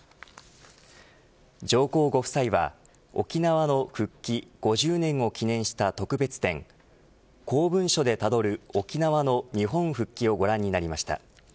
上皇ご夫妻は、沖縄の復帰５０年を記念した特別展公文書でたどる沖縄の日本復帰をご覧になりました。